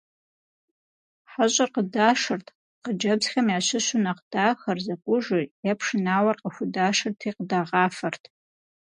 ХьэщӀэр къыдашырт. Хъыджбзхэм ящыщу нэхъ дахэр, зэкӀужыр е пшынауэр къыхудашырти, къыдагъафэрт.